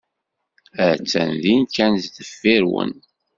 Attan din kan sdeffir-wen.